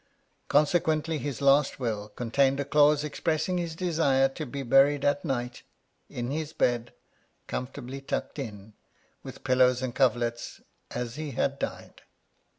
Consequently, his last will contained a clause expressing his desire to be buried at night, in his bed, comfortably tucked in, with pillows and coverlets as he had died.